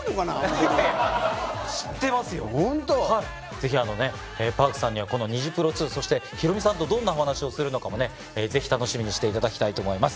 ぜひＰａｒｋさんにはこの『ニジプロ２』そしてヒロミさんとどんなお話をするのかもねぜひ楽しみにしていただきたいと思います。